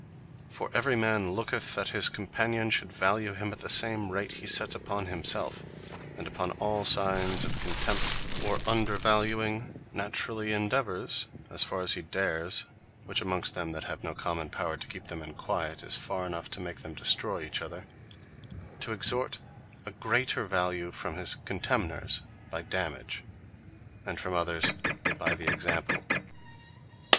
For every man looketh that his companion should value him, at the same rate he sets upon himselfe: And upon all signes of contempt, or undervaluing, naturally endeavours, as far as he dares (which amongst them that have no common power, to keep them in quiet, is far enough to make them destroy each other,) to extort a greater value from his contemners, by dommage; and from others, by the example.